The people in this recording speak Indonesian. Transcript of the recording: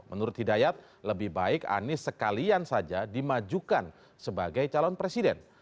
menurut hidayat lebih baik anies sekalian saja dimajukan sebagai calon presiden